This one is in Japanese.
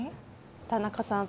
田中さん